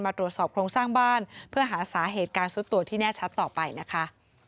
ตรวจสอบโครงสร้างบ้านเพื่อหาสาเหตุการซุดตัวที่แน่ชัดต่อไปนะคะ